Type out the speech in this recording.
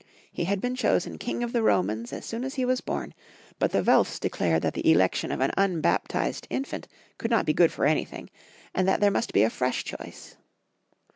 He had been chosen King of the Romans as soon as he was born, but the Welfs declared that the election of an unbaptized infant could not be good for anything, and that there must be a fresh choice.